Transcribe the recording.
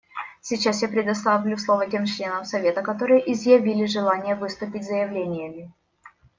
Сейчас я предоставлю слово тем членам Совета, которые изъявили желание выступить с заявлениями.